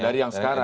dari yang sekarang